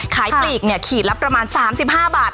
ขายปลีกเนี่ยขี่ละประมาณ๓๕บาท